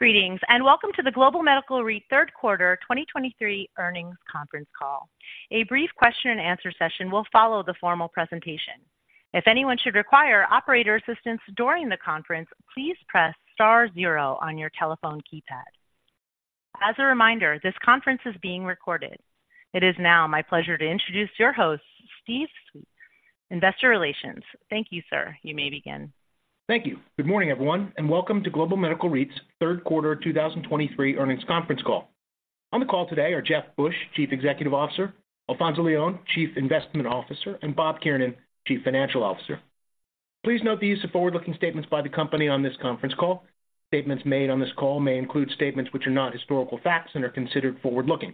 Greetings, and welcome to the Global Medical REIT third quarter 2023 earnings conference call. A brief question and answer session will follow the formal presentation. If anyone should require operator assistance during the conference, please press star zero on your telephone keypad. As a reminder, this conference is being recorded. It is now my pleasure to introduce your host, Steve Swett, Investor Relations. Thank you, sir. You may begin. Thank you. Good morning, everyone, and welcome to Global Medical REIT's third quarter 2023 earnings conference call. On the call today are Jeff Busch, Chief Executive Officer; Alfonzo Leon, Chief Investment Officer; and Bob Kiernan, Chief Financial Officer. Please note the use of forward-looking statements by the company on this conference call. Statements made on this call may include statements which are not historical facts and are considered forward-looking.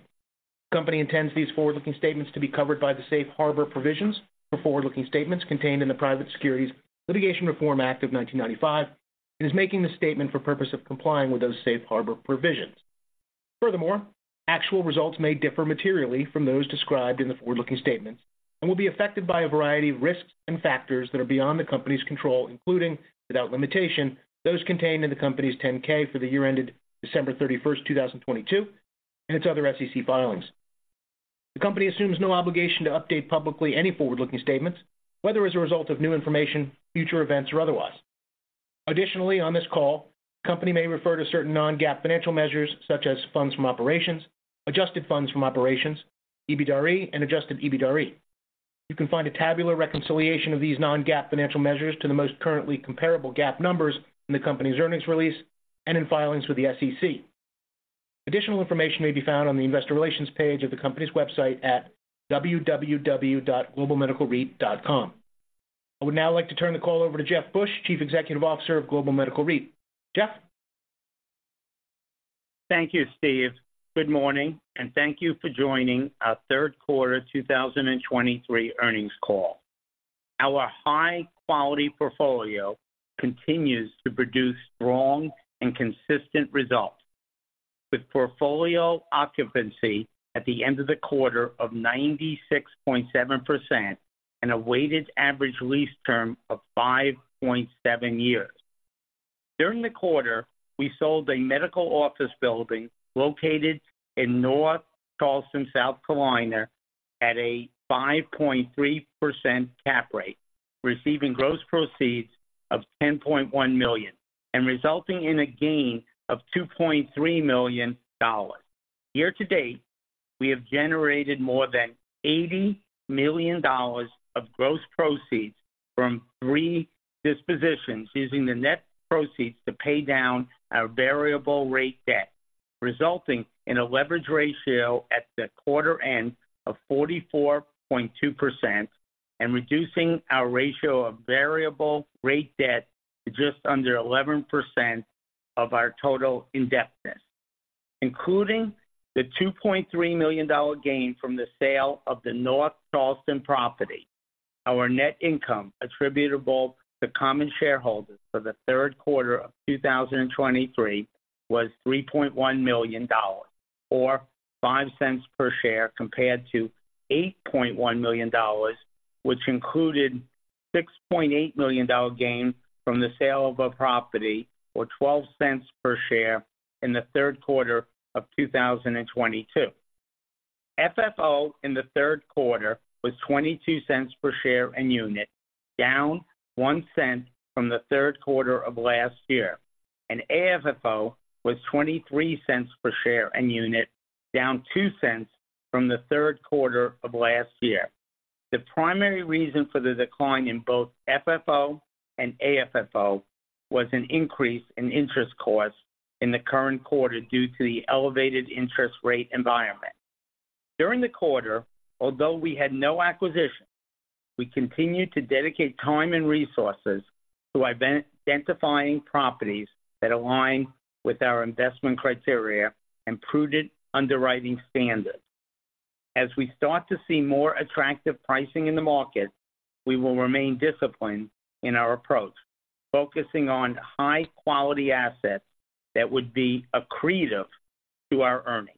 The company intends these forward-looking statements to be covered by the safe harbor provisions for forward-looking statements contained in the Private Securities Litigation Reform Act of 1995 and is making this statement for purpose of complying with those safe harbor provisions. Furthermore, actual results may differ materially from those described in the forward-looking statements and will be affected by a variety of risks and factors that are beyond the company's control, including, without limitation, those contained in the company's 10-K for the year ended December 31, 2022, and its other SEC filings. The company assumes no obligation to update publicly any forward-looking statements, whether as a result of new information, future events, or otherwise. Additionally, on this call, the company may refer to certain non-GAAP financial measures, such as funds from operations, adjusted funds from operations, EBITDAre, and adjusted EBITDAre. You can find a tabular reconciliation of these non-GAAP financial measures to the most currently comparable GAAP numbers in the company's earnings release and in filings with the SEC. Additional information may be found on the investor relations page of the company's website at www.globalmedicalreit.com. I would now like to turn the call over to Jeff Busch, Chief Executive Officer of Global Medical REIT. Jeff? Thank you, Steve. Good morning, and thank you for joining our third quarter 2023 earnings call. Our high-quality portfolio continues to produce strong and consistent results, with portfolio occupancy at the end of the quarter of 96.7% and a weighted average lease term of 5.7 years. During the quarter, we sold a medical office building located in North Charleston, South Carolina, at a 5.3% cap rate, receiving gross proceeds of $10.1 million and resulting in a gain of $2.3 million. Year-to-date, we have generated more than $80 million of gross proceeds from three dispositions, using the net proceeds to pay down our variable rate debt, resulting in a leverage ratio at the quarter end of 44.2% and reducing our ratio of variable rate debt to just under 11% of our total indebtedness. Including the $2.3 million gain from the sale of the North Charleston property, our net income attributable to common shareholders for the third quarter of 2023 was $3.1 million, or $0.05 per share, compared to $8.1 million, which included $6.8 million gain from the sale of a property, or $0.12 per share in the third quarter of 2022. FFO in the third quarter was $0.22 per share and unit, down 1 cent from the third quarter of last year, and AFFO was $0.23 per share and unit, down 2 cents from the third quarter of last year. The primary reason for the decline in both FFO and AFFO was an increase in interest costs in the current quarter due to the elevated interest rate environment. During the quarter, although we had no acquisitions, we continued to dedicate time and resources to identifying properties that align with our investment criteria and prudent underwriting standards. As we start to see more attractive pricing in the market, we will remain disciplined in our approach, focusing on high-quality assets that would be accretive to our earnings.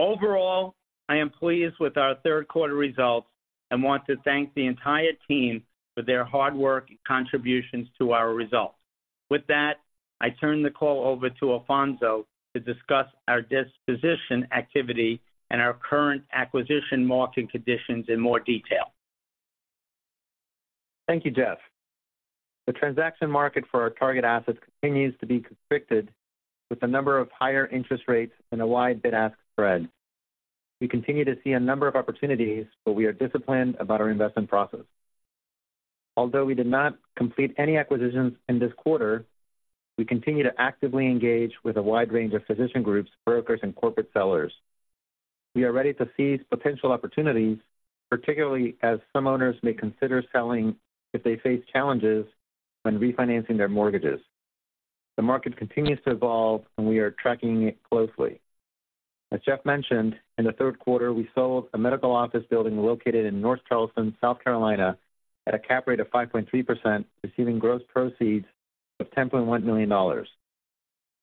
Overall, I am pleased with our third quarter results and want to thank the entire team for their hard work and contributions to our results. With that, I turn the call over to Alfonzo to discuss our disposition activity and our current acquisition market conditions in more detail. Thank you, Jeff. The transaction market for our target assets continues to be constricted, with a number of higher interest rates and a wide bid-ask spread. We continue to see a number of opportunities, but we are disciplined about our investment process. Although we did not complete any acquisitions in this quarter, we continue to actively engage with a wide range of physician groups, brokers, and corporate sellers. We are ready to seize potential opportunities, particularly as some owners may consider selling if they face challenges when refinancing their mortgages. The market continues to evolve, and we are tracking it closely. As Jeff mentioned, in the third quarter, we sold a medical office building located in North Charleston, South Carolina, at a cap rate of 5.3%, receiving gross proceeds of $10.1 million.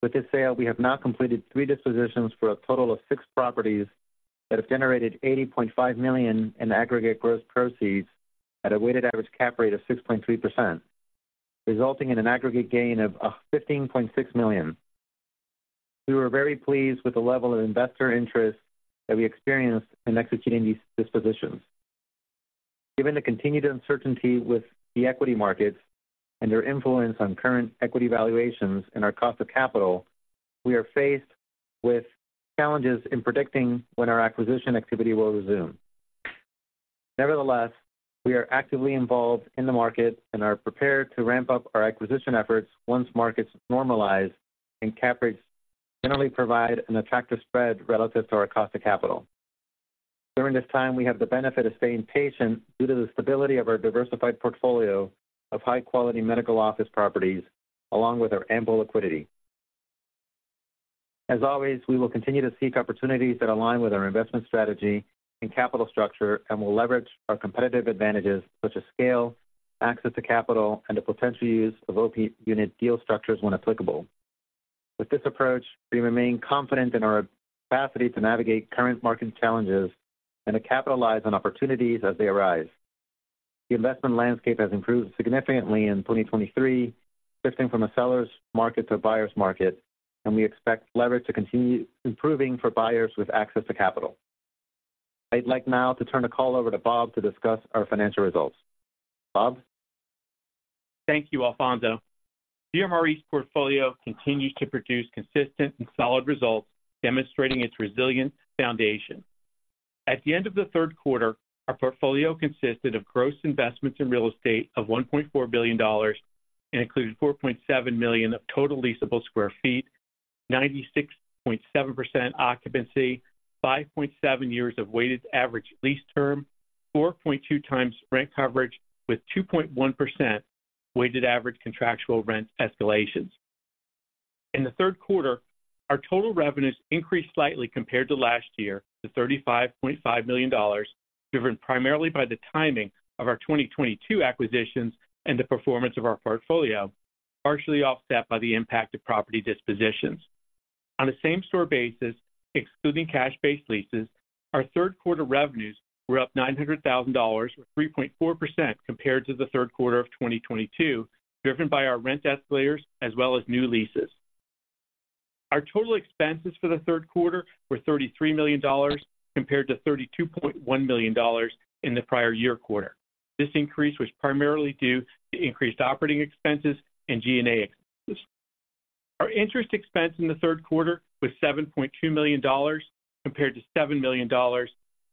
With this sale, we have now completed three dispositions for a total of six properties that have generated $80.5 million in aggregate gross proceeds at a weighted average cap rate of 6.3%, resulting in an aggregate gain of $15.6 million. We were very pleased with the level of investor interest that we experienced in executing these dispositions. Given the continued uncertainty with the equity markets and their influence on current equity valuations and our cost of capital, we are faced with challenges in predicting when our acquisition activity will resume. Nevertheless, we are actively involved in the market and are prepared to ramp up our acquisition efforts once markets normalize and cap rates generally provide an attractive spread relative to our cost of capital. During this time, we have the benefit of staying patient due to the stability of our diversified portfolio of high-quality medical office properties, along with our ample liquidity. As always, we will continue to seek opportunities that align with our investment strategy and capital structure, and we'll leverage our competitive advantages, such as scale, access to capital, and the potential use of OP unit deal structures when applicable. With this approach, we remain confident in our capacity to navigate current market challenges and to capitalize on opportunities as they arise. The investment landscape has improved significantly in 2023, shifting from a seller's market to a buyer's market, and we expect leverage to continue improving for buyers with access to capital. I'd like now to turn the call over to Bob to discuss our financial results. Bob? Thank you, Alfonzo. GMRE's portfolio continues to produce consistent and solid results, demonstrating its resilient foundation. At the end of the third quarter, our portfolio consisted of gross investments in real estate of $1.4 billion and included 4.7 million of total leasable sq ft, 96.7% occupancy, 5.7 years of weighted average lease term, 4.2x rent coverage, with 2.1% weighted average contractual rent escalations. In the third quarter, our total revenues increased slightly compared to last year, to $35.5 million, driven primarily by the timing of our 2022 acquisitions and the performance of our portfolio, partially offset by the impact of property dispositions. On a same-store basis, excluding cash-based leases, our third quarter revenues were up $900,000, or 3.4% compared to the third quarter of 2022, driven by our rent escalators as well as new leases. Our total expenses for the third quarter were $33 million, compared to $32.1 million in the prior year quarter. This increase was primarily due to increased operating expenses and G&A expenses. Our interest expense in the third quarter was $7.2 million, compared to $7 million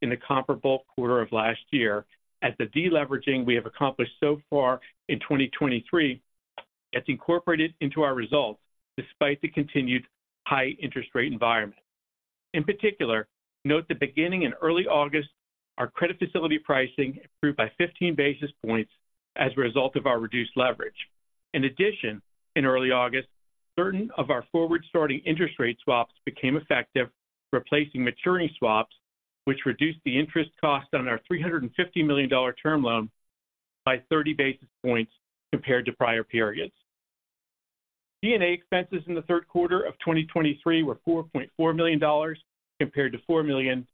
in the comparable quarter of last year, as the deleveraging we have accomplished so far in 2023 gets incorporated into our results despite the continued high interest rate environment. In particular, note that beginning in early August, our credit facility pricing improved by 15 basis points as a result of our reduced leverage. In addition, in early August, certain of our forward-starting interest rate swaps became effective, replacing maturing swaps, which reduced the interest cost on our $350 million term loan by 30 basis points compared to prior periods. G&A expenses in the third quarter of 2023 were $4.4 million, compared to $4 million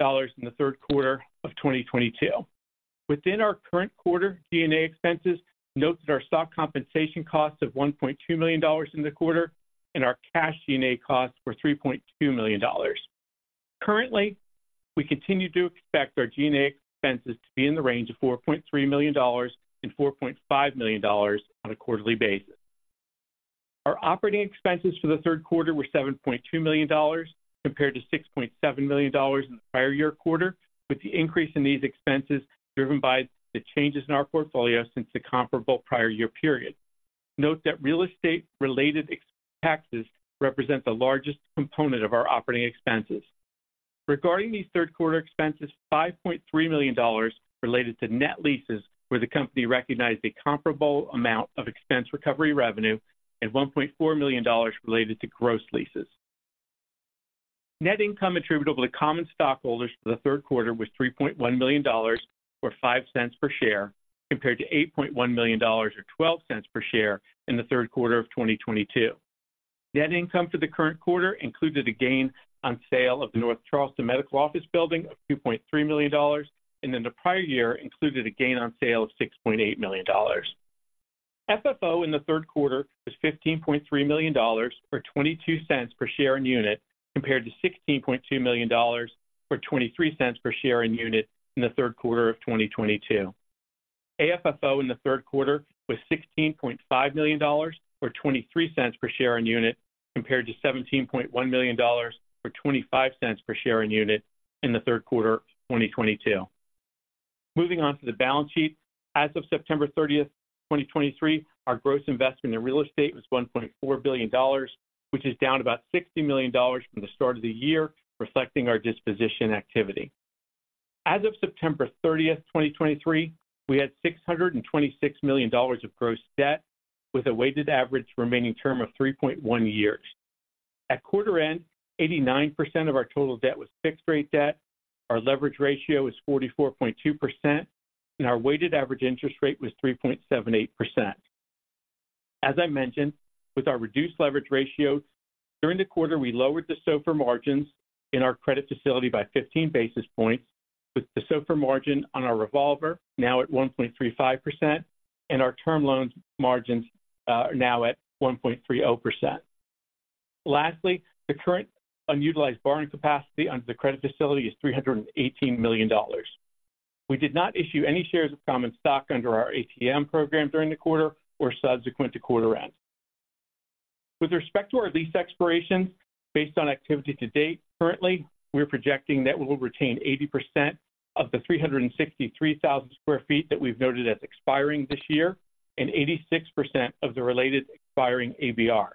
in the third quarter of 2022. Within our current quarter G&A expenses, note that our stock compensation costs of $1.2 million in the quarter and our cash G&A costs were $3.2 million. Currently, we continue to expect our G&A expenses to be in the range of $4.3 million-$4.5 million on a quarterly basis. Our operating expenses for the third quarter were $7.2 million, compared to $6.7 million in the prior year quarter, with the increase in these expenses driven by the changes in our portfolio since the comparable prior year period. Note that real estate-related expenses, taxes represent the largest component of our operating expenses. Regarding these third quarter expenses, $5.3 million related to net leases, where the company recognized a comparable amount of expense recovery revenue, and $1.4 million related to gross leases. Net income attributable to common stockholders for the third quarter was $3.1 million, or $0.05 per share, compared to $8.1 million, or $0.12 per share in the third quarter of 2022. Net income for the current quarter included a gain on sale of the North Charleston medical office building of $2.3 million, and in the prior year included a gain on sale of $6.8 million. FFO in the third quarter was $15.3 million, or $0.22 per share in unit, compared to $16.2 million, or $0.23 per share in unit, in the third quarter of 2022. AFFO in the third quarter was $16.5 million, or $0.23 per share in unit, compared to $17.1 million, or $0.25 per share in unit, in the third quarter of 2022. Moving on to the balance sheet. As of September 30th, 2023, our gross investment in real estate was $1.4 billion, which is down about $60 million from the start of the year, reflecting our disposition activity. As of September 30th, 2023, we had $626 million of gross debt, with a weighted average remaining term of 3.1 years. At quarter end, 89% of our total debt was fixed-rate debt, our leverage ratio is 44.2%, and our weighted average interest rate was 3.78%. ...As I mentioned, with our reduced leverage ratio, during the quarter, we lowered the SOFR margins in our credit facility by 15 basis points, with the SOFR margin on our revolver now at 1.35%, and our term loans margins are now at 1.30%. Lastly, the current unutilized borrowing capacity under the credit facility is $318 million. We did not issue any shares of common stock under our ATM program during the quarter or subsequent to quarter end. With respect to our lease expirations, based on activity to date, currently, we're projecting that we will retain 80% of the 363,000 sq ft that we've noted as expiring this year, and 86% of the related expiring ABR.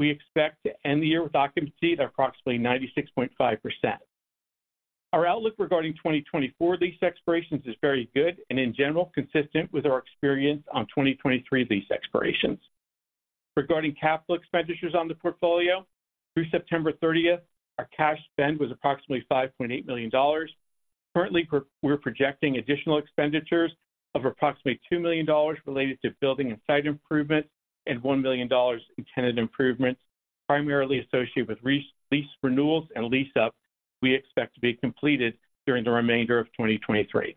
We expect to end the year with occupancy at approximately 96.5%. Our outlook regarding 2024 lease expirations is very good and in general, consistent with our experience on 2023 lease expirations. Regarding capital expenditures on the portfolio, through September 30, our cash spend was approximately $5.8 million. Currently, we're projecting additional expenditures of approximately $2 million related to building and site improvement and $1 million in tenant improvements, primarily associated with lease renewals and lease-up, we expect to be completed during the remainder of 2023.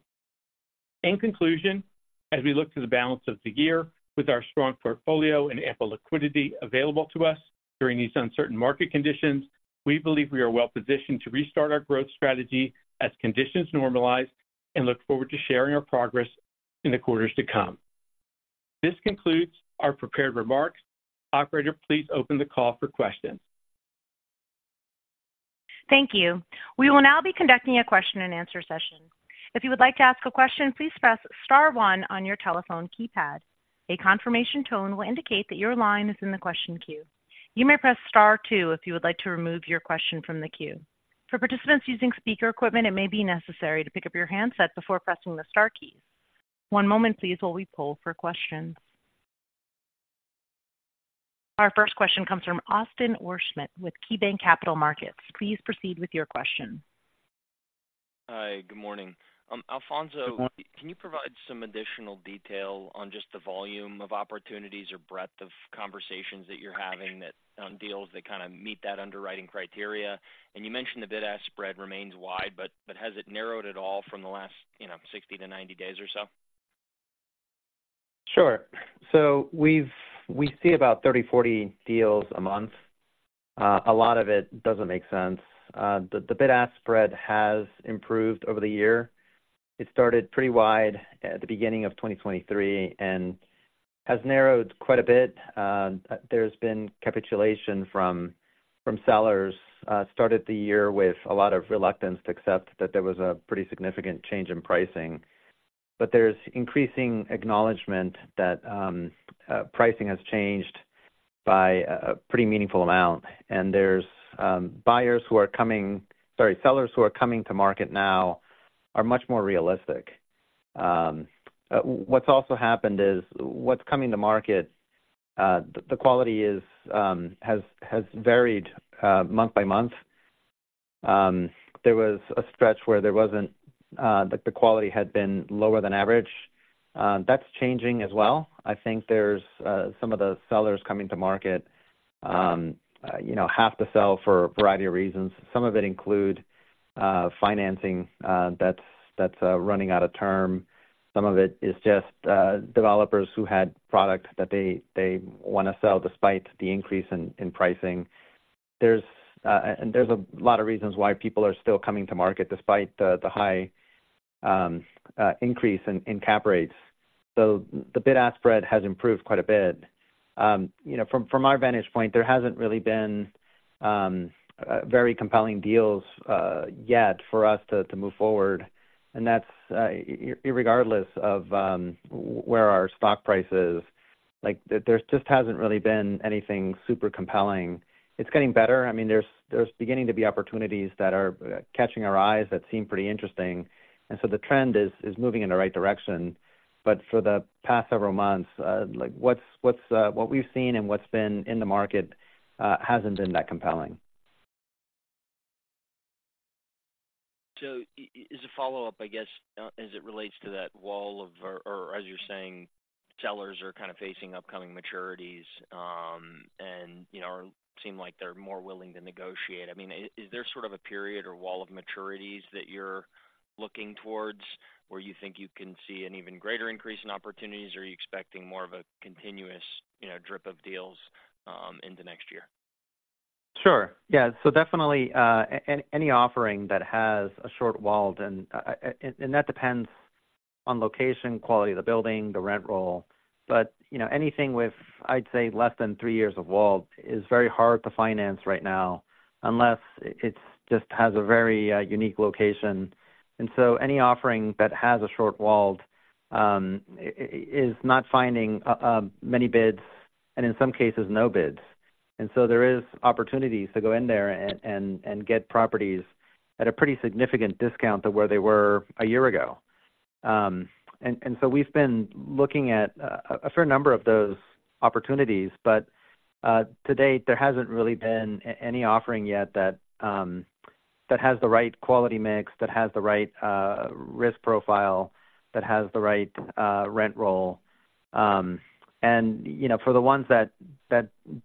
In conclusion, as we look to the balance of the year, with our strong portfolio and ample liquidity available to us during these uncertain market conditions, we believe we are well positioned to restart our growth strategy as conditions normalize, and look forward to sharing our progress in the quarters to come. This concludes our prepared remarks. Operator, please open the call for questions. Thank you. We will now be conducting a question-and-answer session. If you would like to ask a question, please press star one on your telephone keypad. A confirmation tone will indicate that your line is in the question queue. You may press star two if you would like to remove your question from the queue. For participants using speaker equipment, it may be necessary to pick up your handset before pressing the star keys. One moment, please, while we poll for questions. Our first question comes from Austin Wurschmidt with KeyBanc Capital Markets. Please proceed with your question. Hi, good morning. Alfonzo- Good morning. Can you provide some additional detail on just the volume of opportunities or breadth of conversations that you're having that on deals that kind of meet that underwriting criteria? And you mentioned the bid-ask spread remains wide, but has it narrowed at all from the last, you know, 60-90 days or so? Sure. So we see about 30, 40 deals a month. A lot of it doesn't make sense. The bid-ask spread has improved over the year. It started pretty wide at the beginning of 2023, and has narrowed quite a bit. There's been capitulation from sellers. Started the year with a lot of reluctance to accept that there was a pretty significant change in pricing. But there's increasing acknowledgment that pricing has changed by a pretty meaningful amount, and there's buyers who are coming—sorry, sellers who are coming to market now are much more realistic. What's also happened is, what's coming to market, the quality is has varied month by month. There was a stretch where there wasn't that the quality had been lower than average. That's changing as well. I think there's some of the sellers coming to market, you know, have to sell for a variety of reasons. Some of it include financing that's running out of term. Some of it is just developers who had product that they wanna sell, despite the increase in pricing. There's and there's a lot of reasons why people are still coming to market despite the high increase in cap rates. So the bid-ask spread has improved quite a bit. You know, from our vantage point, there hasn't really been very compelling deals yet for us to move forward, and that's irregardless of where our stock price is. Like, there just hasn't really been anything super compelling. It's getting better. I mean, there's beginning to be opportunities that are catching our eyes that seem pretty interesting, and so the trend is moving in the right direction. But for the past several months, like, what we've seen and what's been in the market hasn't been that compelling. So as a follow-up, I guess, as it relates to that wall of, or, or as you're saying, sellers are kind of facing upcoming maturities, and, you know, seem like they're more willing to negotiate. I mean, is there sort of a period or wall of maturities that you're looking towards, where you think you can see an even greater increase in opportunities? Or are you expecting more of a continuous, you know, drip of deals, into next year? Sure. Yeah. So definitely, any offering that has a short WALT that depends on location, quality of the building, the rent roll. But, you know, anything with, I'd say, less than three years of WALT is very hard to finance right now, unless it's just has a very unique location. And so any offering that has a short WALT is not finding many bids, and in some cases, no bids. And so there is opportunities to go in there and get properties at a pretty significant discount to where they were a year ago. So we've been looking at a fair number of those opportunities, but to date, there hasn't really been any offering yet that... that has the right quality mix, that has the right risk profile, that has the right rent roll. And, you know, for the ones that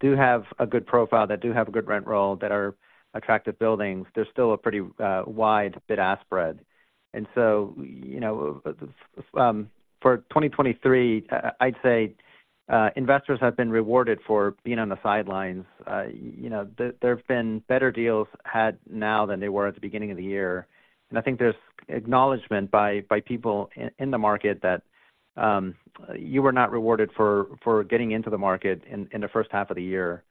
do have a good profile, that do have a good rent roll, that are attractive buildings, there's still a pretty wide bid-ask spread. And so, you know, for 2023, I'd say investors have been rewarded for being on the sidelines. You know, there have been better deals had now than they were at the beginning of the year. And I think there's acknowledgment by people in the market that you were not rewarded for getting into the market in the first half of the year.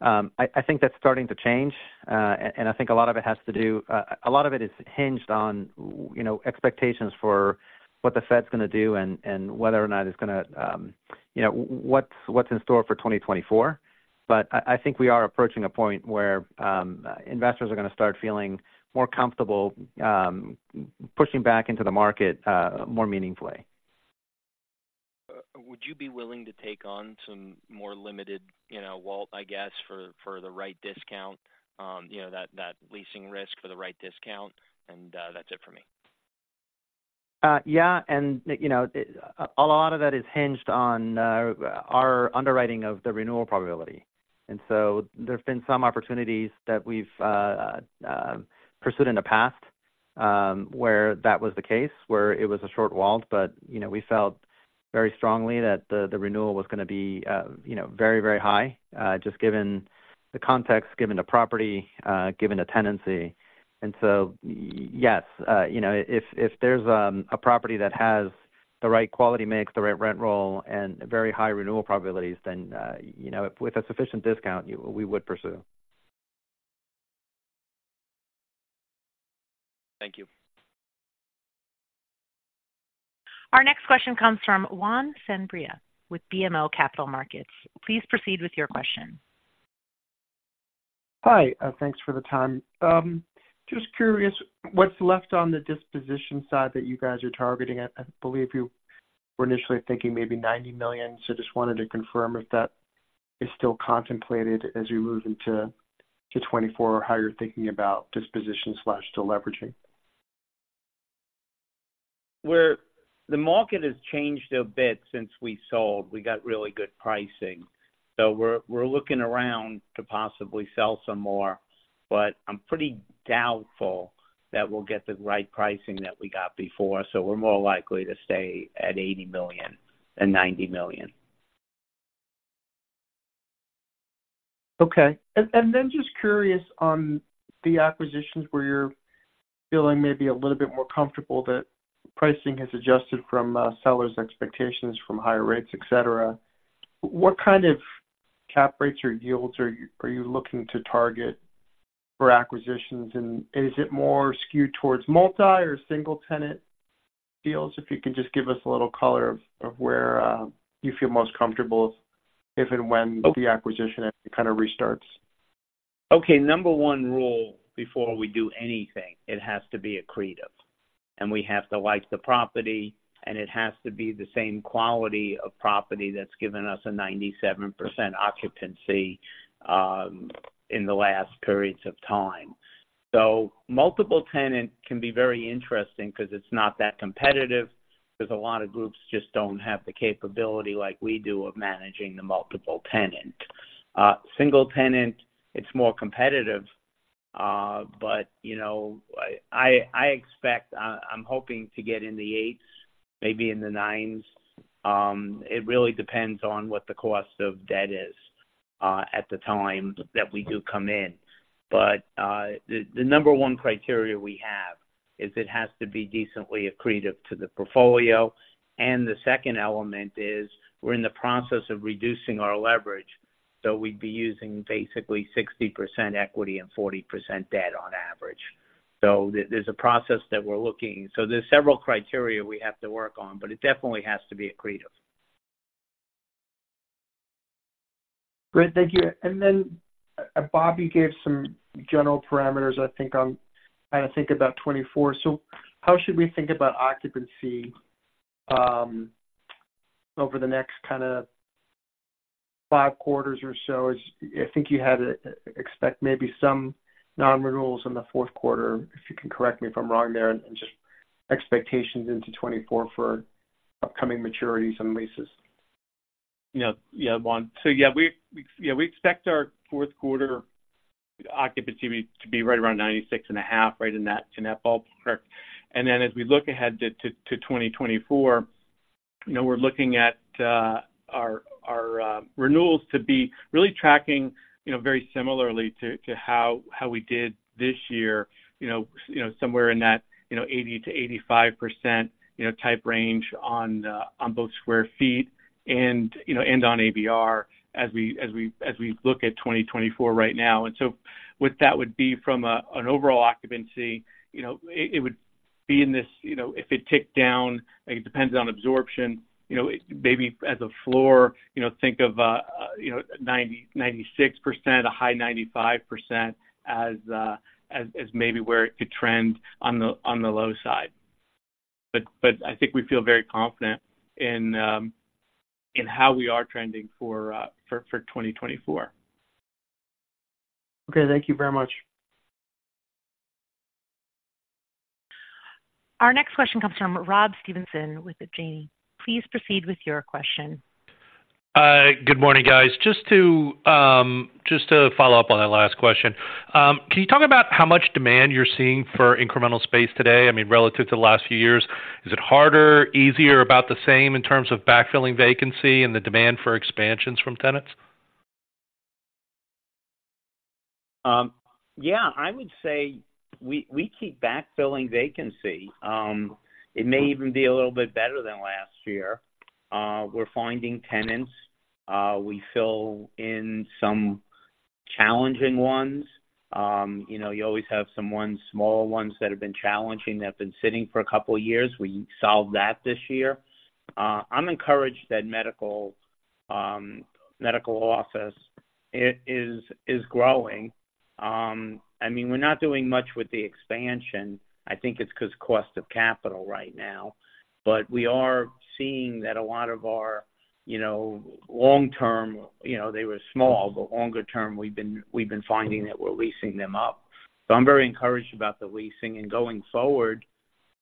I think that's starting to change, and I think a lot of it has to do, a lot of it is hinged on, you know, expectations for what the Fed's going to do and whether or not it's gonna, you know, what's in store for 2024. But I think we are approaching a point where investors are gonna start feeling more comfortable pushing back into the market more meaningfully. Would you be willing to take on some more limited, you know, WALT, I guess, for the right discount, you know, that leasing risk for the right discount? And that's it for me. Yeah. And, you know, a lot of that is hinged on our underwriting of the renewal probability. And so there's been some opportunities that we've pursued in the past, where that was the case, where it was a short WALT, but, you know, we felt very strongly that the renewal was gonna be, you know, very, very high, just given the context, given the property, given the tenancy. And so, yes, you know, if there's a property that has the right quality mix, the right rent roll and very high renewal probabilities, then, you know, with a sufficient discount, we would pursue. Thank you. Our next question comes from Juan Sanabria with BMO Capital Markets. Please proceed with your question. Hi, thanks for the time. Just curious, what's left on the disposition side that you guys are targeting? I believe you were initially thinking maybe $90 million. So just wanted to confirm if that is still contemplated as we move into 2024, or how you're thinking about disposition slash deleveraging. Where the market has changed a bit since we sold. We got really good pricing, so we're looking around to possibly sell some more, but I'm pretty doubtful that we'll get the right pricing that we got before. So we're more likely to stay at $80 million and $90 million. Okay. And then just curious on the acquisitions where you're feeling maybe a little bit more comfortable that pricing has adjusted from sellers' expectations from higher rates, et cetera. What kind of cap rates or yields are you looking to target for acquisitions, and is it more skewed towards multi or single tenant deals? If you could just give us a little color on where you feel most comfortable if and when the acquisition kind of restarts. Okay, number one rule, before we do anything, it has to be accretive, and we have to like the property, and it has to be the same quality of property that's given us a 97% occupancy, in the last periods of time. So multiple tenant can be very interesting because it's not that competitive, because a lot of groups just don't have the capability like we do, of managing the multiple tenant. Single tenant, it's more competitive, but, you know, I expect, I'm hoping to get in the 8s, maybe in the 9s. It really depends on what the cost of debt is, at the time that we do come in. But, the number one criteria we have is it has to be decently accretive to the portfolio, and the second element is we're in the process of reducing our leverage. We'd be using basically 60% equity and 40% debt on average. There's a process that we're looking... There's several criteria we have to work on, but it definitely has to be accretive. Great. Thank you. And then, Bobby gave some general parameters, I think, on kind of think about 2024. So how should we think about occupancy over the next kind of five quarters or so? I think you had expect maybe some non-renewals in the fourth quarter. If you can correct me if I'm wrong there, and just expectations into 2024 for upcoming maturities and leases. Yeah. Yeah, Juan. So yeah, we expect our fourth quarter occupancy to be right around 96.5, right in that ballpark. And then as we look ahead to 2024, you know, we're looking at our renewals to be really tracking, you know, very similarly to how we did this year. You know, somewhere in that 80%-85% type range on both sq ft and on ABR as we look at 2024 right now. And so what that would be from an overall occupancy, you know, it would be in this if it ticked down, it depends on absorption. You know, maybe as a floor, you know, think of 90, 96%, a high 95% as maybe where it could trend on the low side.... But I think we feel very confident in how we are trending for 2024. Okay, thank you very much. Our next question comes from Rob Stevenson with Janney. Please proceed with your question. Good morning, guys. Just to follow up on that last question, can you talk about how much demand you're seeing for incremental space today? I mean, relative to the last few years, is it harder, easier, about the same in terms of backfilling vacancy and the demand for expansions from tenants? Yeah, I would say we keep backfilling vacancy. It may even be a little bit better than last year. We're finding tenants. We fill in some challenging ones. You know, you always have some ones, small ones that have been challenging, that have been sitting for a couple of years. We solved that this year. I'm encouraged that medical office is growing. I mean, we're not doing much with the expansion. I think it's because cost of capital right now, but we are seeing that a lot of our, you know, long term, you know, they were small, but longer term, we've been finding that we're leasing them up. So I'm very encouraged about the leasing and going forward,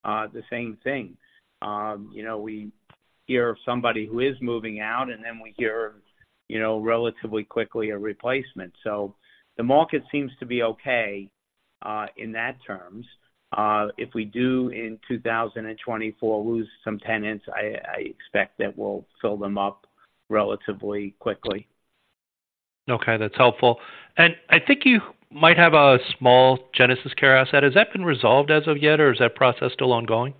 the same thing. You know, we hear of somebody who is moving out, and then we hear, you know, relatively quickly, a replacement. So the market seems to be okay in that terms. If we do in 2024 lose some tenants, I expect that we'll fill them up relatively quickly. Okay, that's helpful. And I think you might have a small GenesisCare asset. Has that been resolved as of yet, or is that process still ongoing?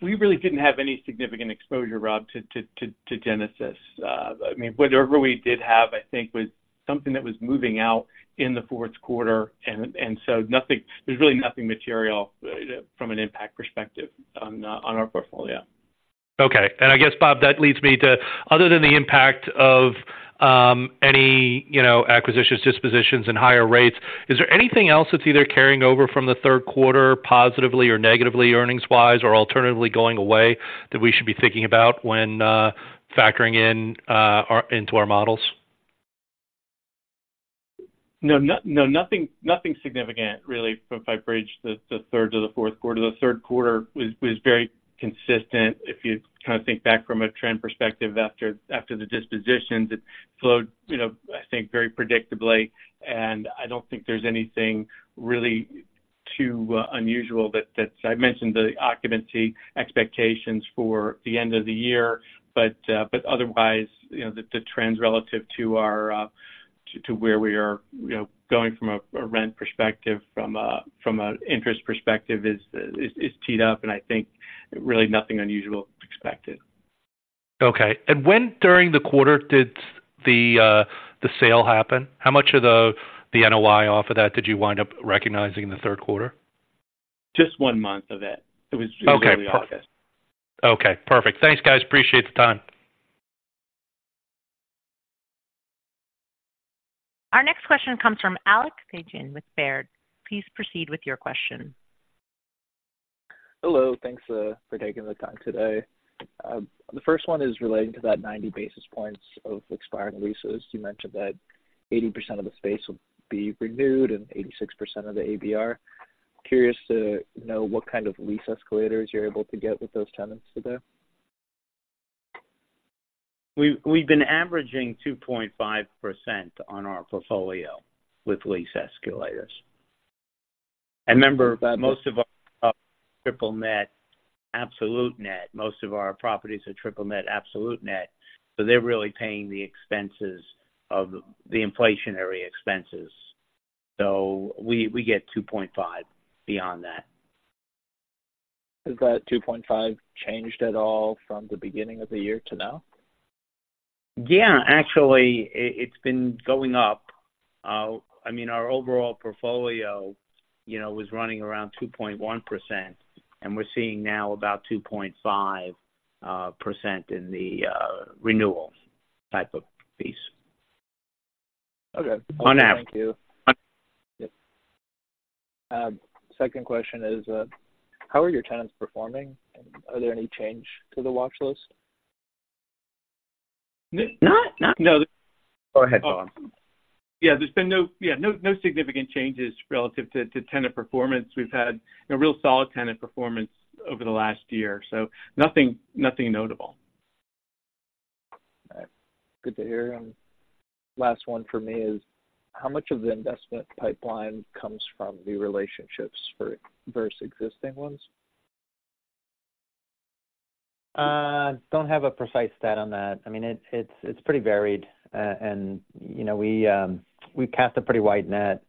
We really didn't have any significant exposure, Rob, to Genesis. I mean, whatever we did have, I think, was something that was moving out in the fourth quarter, and so nothing. There's really nothing material from an impact perspective on our portfolio. Okay. And I guess, Bob, that leads me to, other than the impact of any, you know, acquisitions, dispositions, and higher rates, is there anything else that's either carrying over from the third quarter, positively or negatively, earnings-wise, or alternatively, going away, that we should be thinking about when factoring in into our models? No, no, nothing, nothing significant, really, if I bridge the third to the fourth quarter. The third quarter was very consistent. If you kind of think back from a trend perspective, after the dispositions, it flowed, you know, I think, very predictably, and I don't think there's anything really too unusual that I mentioned the occupancy expectations for the end of the year, but otherwise, you know, the trends relative to our to where we are, you know, going from a rent perspective, from an interest perspective, is teed up, and I think really nothing unusual expected. Okay. And when during the quarter did the sale happen? How much of the NOI off of that did you wind up recognizing in the third quarter? Just one month of it. It was early August. Okay, perfect. Thanks, guys. Appreciate the time. Our next question comes from Alex Peagin with Baird. Please proceed with your question. Hello. Thanks, for taking the time today. The first one is relating to that 90 basis points of expiring leases. You mentioned that 80% of the space will be renewed and 86% of the ABR. Curious to know what kind of lease escalators you're able to get with those tenants today? We've been averaging 2.5% on our portfolio with lease escalators. And remember, most of our triple net, absolute net, most of our properties are triple net, absolute net, so they're really paying the expenses of the inflationary expenses. So we get 2.5% beyond that. Has that 2.5% changed at all from the beginning of the year to now? Yeah, actually, it's been going up. I mean, our overall portfolio, you know, was running around 2.1%, and we're seeing now about 2.5% in the renewal type of piece. Okay. On average. Thank you. Second question is, how are your tenants performing? Are there any change to the watch list? Not, not, no. Go ahead, Bob. Yeah. There's been no significant changes relative to tenant performance. We've had a real solid tenant performance over the last year, so nothing notable. Good to hear. And last one for me is: How much of the investment pipeline comes from the relationships versus existing ones? Don't have a precise stat on that. I mean, it's pretty varied. You know, we cast a pretty wide net.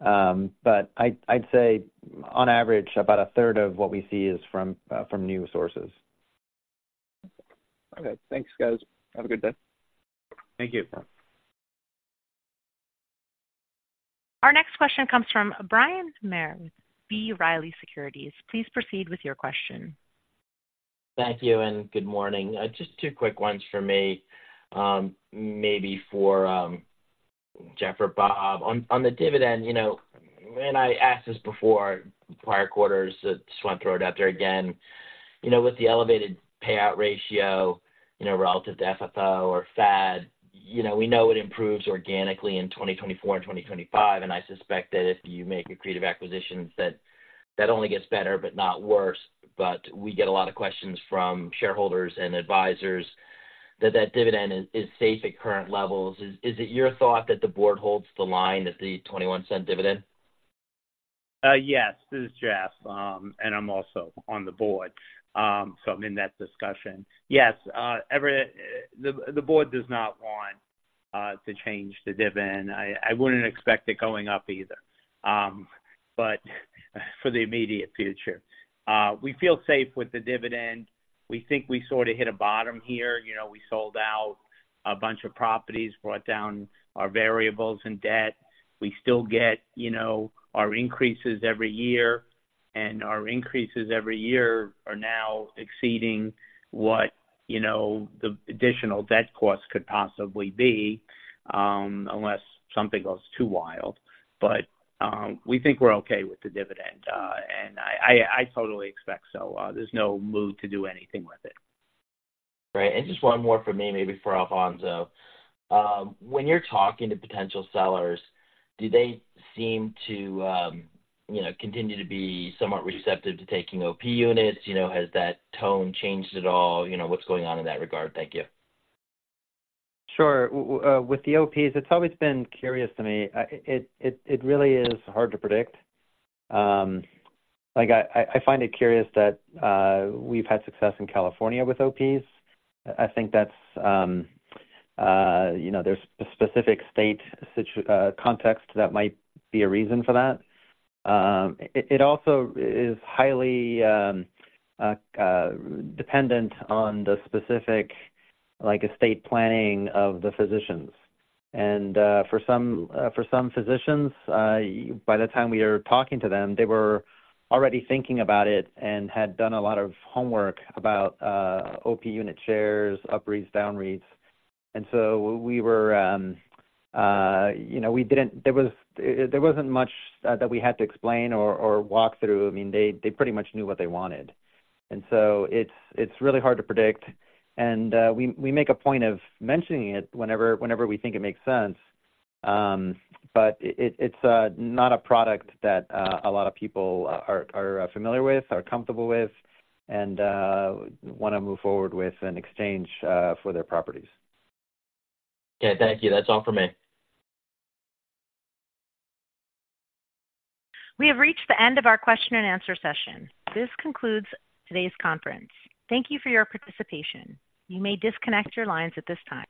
But I'd say on average, about a third of what we see is from new sources. Okay. Thanks, guys. Have a good day. Thank you. Our next question comes from Bryan Maher with B. Riley Securities. Please proceed with your question. ...Thank you, and good morning. Just two quick ones for me, maybe for Jeff or Bob. On the dividend, you know, and I asked this before, prior quarters, just want to throw it out there again. You know, with the elevated payout ratio, you know, relative to FFO or FAD, you know, we know it improves organically in 2024 and 2025, and I suspect that if you make accretive acquisitions, that that only gets better but not worse. But we get a lot of questions from shareholders and advisors that the dividend is safe at current levels. Is it your thought that the board holds the line at the $0.21 dividend? Yes. This is Jeff, and I'm also on the board, so I'm in that discussion. Yes, the board does not want to change the dividend. I wouldn't expect it going up either, but for the immediate future. We feel safe with the dividend. We think we sort of hit a bottom here. You know, we sold out a bunch of properties, brought down our variables and debt. We still get, you know, our increases every year, and our increases every year are now exceeding what, you know, the additional debt costs could possibly be, unless something goes too wild. But, we think we're okay with the dividend. And I totally expect so. There's no move to do anything with it. Right. And just one more for me, maybe for Alfonzo. When you're talking to potential sellers, do they seem to, you know, continue to be somewhat receptive to taking OP units? You know, has that tone changed at all? You know, what's going on in that regard? Thank you. Sure. With the OPs, it's always been curious to me. It really is hard to predict. Like, I find it curious that we've had success in California with OPs. I think that's, you know, there's a specific state situation context that might be a reason for that. It also is highly dependent on the specific, like, estate planning of the physicians. And for some physicians, by the time we are talking to them, they were already thinking about it and had done a lot of homework about OP unit shares, UPREITs, DownREITs. And so we were, you know, there wasn't much that we had to explain or walk through. I mean, they pretty much knew what they wanted. And so it's really hard to predict, and we make a point of mentioning it whenever we think it makes sense. But it's not a product that a lot of people are familiar with, are comfortable with, and wanna move forward with in exchange for their properties. Okay. Thank you. That's all for me. We have reached the end of our question and answer session. This concludes today's conference. Thank you for your participation. You may disconnect your lines at this time.